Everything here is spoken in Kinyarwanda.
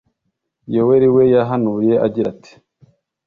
Yoweli we yahanuye agira ati: